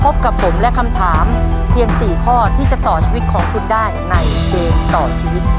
พบกับผมและคำถามเพียง๔ข้อที่จะต่อชีวิตของคุณได้ในเกมต่อชีวิต